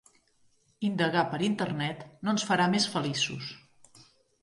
Indagar per Internet no ens farà més feliços.